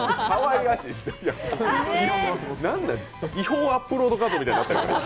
違法アップロード画像みたいになった。